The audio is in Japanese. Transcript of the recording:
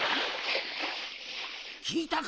きいたか？